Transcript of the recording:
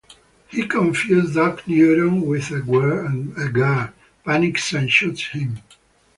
He confuses Dock Newton with a guard, panics and shoots him.